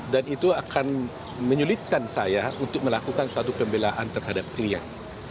dan itu akan menyulitkan saya untuk melakukan suatu pembelaan terhadap klien